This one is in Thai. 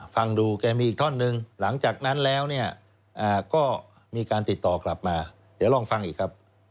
ฟังดูแกมีอีกท่อนหนึ่งหลังจากนั้นแล้วเนี่ยก็มีการติดต่อกลับมาเดี๋ยวลองฟังอีกครับ